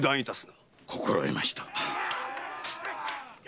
心得ました。